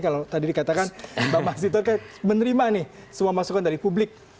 kalau tadi dikatakan mbak mas hinton menerima semua masukan dari publik